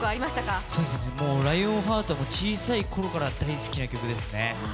「らいおんハート」も小さいころから大好きな曲ですね。